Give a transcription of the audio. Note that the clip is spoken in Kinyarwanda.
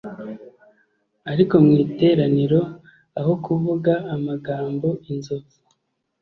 ariko mu iteraniro aho kuvuga amagambo inzovu